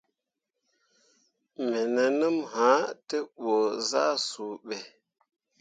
Me nenum ah te ɓu zah suu ɓe.